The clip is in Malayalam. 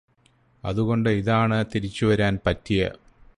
അതുകൊണ്ട് ഇതാണ് തിരിച്ചുവരാന് പറ്റിയ